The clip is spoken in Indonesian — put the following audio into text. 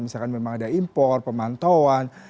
misalkan memang ada impor pemantauan